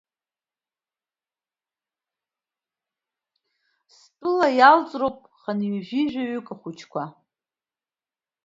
Стәыла иалҵроуп хынҩажәаҩык ахәыҷқәа.